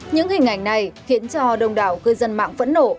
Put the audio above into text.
những hình ảnh này khiến cho đông đảo cư dân mạng phẫn nộ